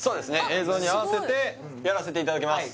映像に合わせてやらせていただきます